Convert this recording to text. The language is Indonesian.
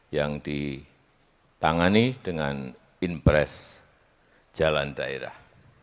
yang ditangani dengan impres jalan daerah